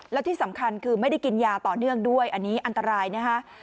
แล้วที่สำคัญคือไม่ได้กินยาต่อเนื่องด้วยอันนี้อันตรายนะคะ